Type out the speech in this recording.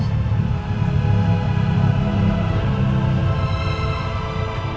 tapi masih sulit mak